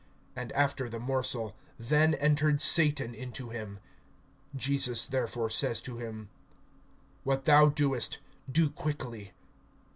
(27)And after the morsel, then entered Satan into him. Jesus therefore says to him: What thou doest, do quickly.